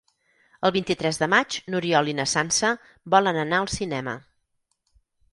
El vint-i-tres de maig n'Oriol i na Sança volen anar al cinema.